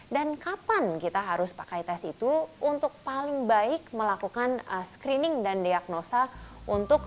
dan kapan kita harus pakai tes itu untuk paling baik melakukan screening dan diagnosa untuk